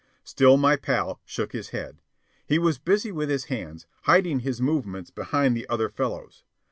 Still my pal shook his head. He was busy with his hands, hiding his movements behind the other fellows.